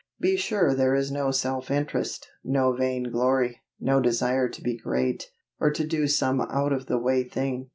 Be sure there is no self interest, no vain glory, no desire to be great, or to do some out of the way thing.